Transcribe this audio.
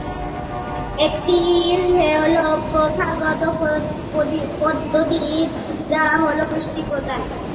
একটি হলো প্রথাগত পদ্ধতি যা হলো পুষ্টি প্রদান।